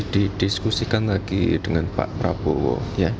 didiskusikan lagi dengan pak prabowo